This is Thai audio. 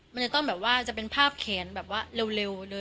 มันก็จะเป็นเภาพเขียนเร็ว